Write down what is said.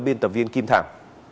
biên tập viên kim thạc